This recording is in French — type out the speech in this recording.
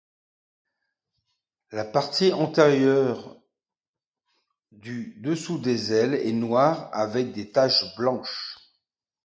La partie antérieure du dessous des ailes est noir avec des taches blanches.